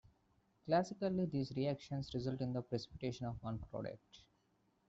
Classically, these reactions result in the precipitation of one product.